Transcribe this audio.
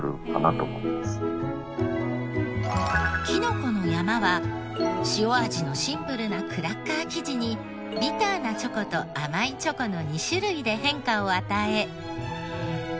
きのこの山は塩味のシンプルなクラッカー生地にビターなチョコと甘いチョコの２種類で変化を与え。